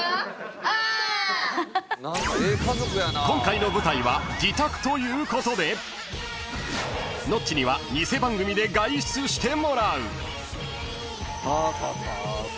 ［今回の舞台は自宅ということでノッチには偽番組で外出してもらう］